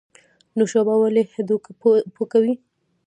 نوشابه ولې هډوکي پوکوي؟